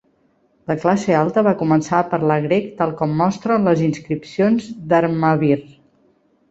La classe alta va començar a parlar grec tal com mostren les inscripcions d'Armavir.